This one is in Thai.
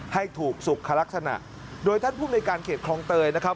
ให้ถูกสุขลักษณะโดยท่านภูมิในการเขตคลองเตยนะครับ